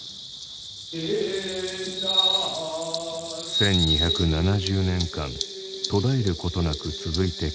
１２７０年間途絶えることなく続いてきた修二会。